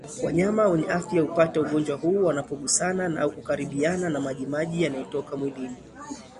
Wanyama wenye afya hupata ugonjwa huu wanapogusana au kukaribiana na majimaji yanayotoka mwilini